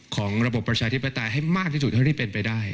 ของระบบประชาธิปไตยให้มากที่สุดเท่าที่เป็นไปได้